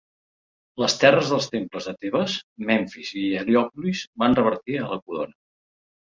Les terres dels temples de Tebes, Memfis i Heliòpolis van revertir a la corona.